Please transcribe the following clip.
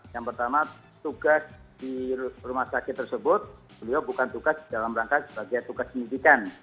yang pertama tugas di rumah sakit tersebut beliau bukan tugas dalam rangka sebagai tugas pendidikan